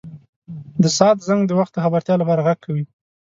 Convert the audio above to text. • د ساعت زنګ د وخت د خبرتیا لپاره ږغ کوي.